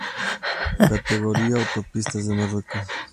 Categoría: Autopistas de Marruecos